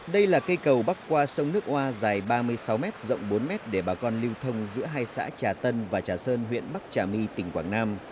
đây là cây cầu bắc qua sông nước oa dài ba mươi sáu m rộng bốn m để bà con lưu thông giữa hai xã trà tân và trà sơn huyện bắc trà my tỉnh quảng nam